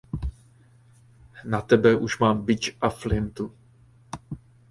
Na tebe už mám bič a flintu.